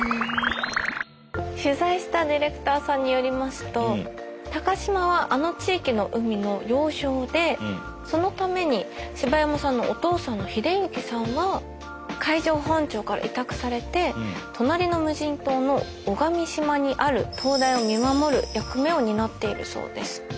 取材したディレクターさんによりますと高島はあの地域の海の要衝でそのために柴山さんのお父さんの英行さんは海上保安庁から委託されて隣の無人島の尾上島にある灯台を見守る役目を担っているそうです。